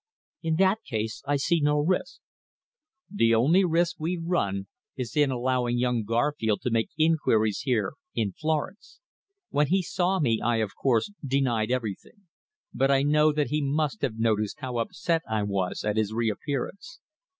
"In that case I see no risk." "The only risk we run is in allowing young Garfield to make inquiries here, in Florence. When he saw me, I, of course, denied everything. But I know that he must have noticed how upset I was at his reappearance."